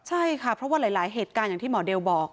ใช่ค่ะเพราะว่าหลายเหตุการณ์อย่างที่หมอเดลบอก